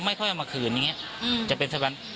แต่หลังไปแหละคงจะไปให้ไหม